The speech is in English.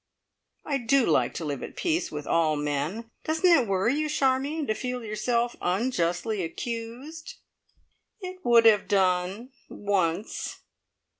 I do like to live at peace with all men. Doesn't it worry you, Charmion, to feel yourself unjustly accused?" "It would have done once.